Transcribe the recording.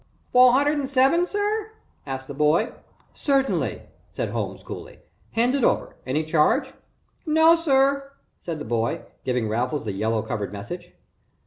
"Four hundred and seven, sir?" asked the boy. "Certainly," said Holmes, coolly. "Hand it over any charge?" "No, sir," said the boy, giving Raffles the yellow covered message.